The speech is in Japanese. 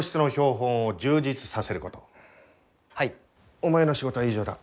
お前の仕事は以上だ。